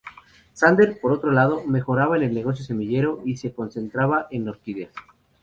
Sander, por otro lado, mejoraba en el negocio semillero y se concentraba en orquídeas.